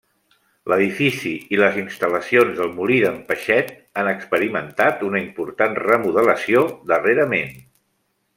L'edifici i les instal·lacions del molí d'en Peixet han experimentat una important remodelació darrerament.